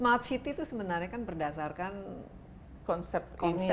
smart city itu sebenarnya kan berdasarkan konsep ini ya